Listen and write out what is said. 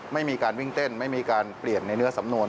ไม่มีการวิ่งเต้นไม่มีการเปลี่ยนในเนื้อสำนวน